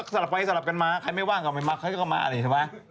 ก็สาหรับไปสาหรับกันมาไม่ว่างอะไรมาอันนี้นะฮะ